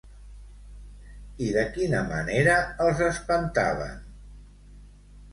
I de quina manera els espantaven?